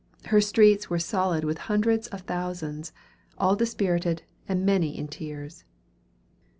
Her streets were solid with hundreds of thousands, all dispirited, and many in tears.